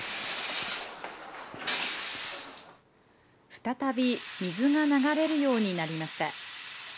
再び水が流れるようになりました。